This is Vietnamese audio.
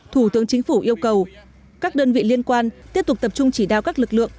thủ tướng chính phủ yêu cầu các đơn vị liên quan tiếp tục tập trung chỉ đao các lực lượng